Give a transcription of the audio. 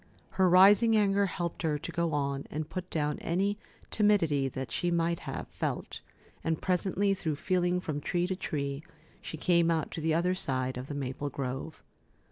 Her rising anger helped her to go on and put down any timidity that she might have felt, and presently, through feeling from tree to tree, she came out to the other side of the maple grove.